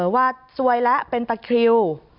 ว่าซวยแล้วเป็นตะคริว